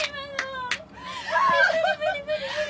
無理無理無理。